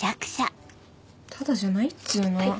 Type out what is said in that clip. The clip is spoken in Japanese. タダじゃないっつうの。